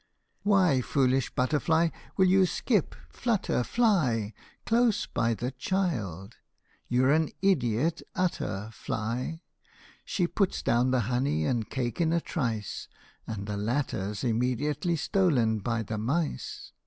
Why, foolish butterfly, Will you skip, flutter, fly Close by the child ? You 're an idiot utter, fly ! She puts down the honey and cake in a trice, And the latter 's immediately stolen by the mice.